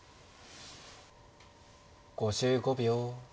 ５５秒。